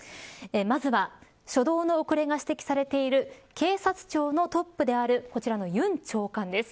まずは初動の遅れが指摘されている警察庁のトップであるこちらの尹長官です。